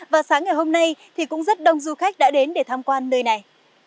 và sáng ngày hôm nay thì cũng rất đông du khách đã đến để tham quan nơi này